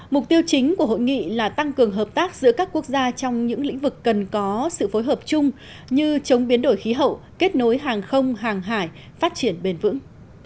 mục tiêu chính của hội nghị là tăng cường hợp tác giữa các quốc gia trong những lĩnh vực cần có sự phối hợp chung như chống biến đổi khí hậu kết nối hàng không hàng hải phát triển bền vững